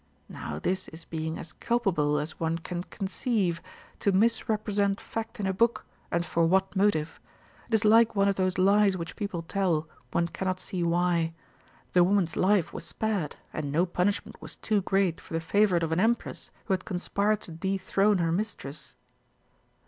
Now this is being as culpable as one can conceive, to misrepresent fact in a book, and for what motive? It is like one of those lies which people tell, one cannot see why. The woman's life was spared; and no punishment was too great for the favourite of an Empress who had conspired to dethrone her mistress.'